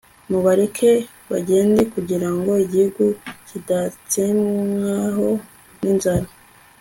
mubareke bagende kugira ngo igihugu kidatsembwaho n'inzara